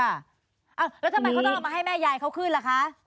แล้วทำไมเขาต้องเอามาให้แม่ยายเขาขึ้นล่ะคะ